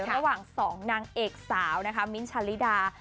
ระหว่าง๒นางเอกสาวนะคะมิ้นท์ชาลิดา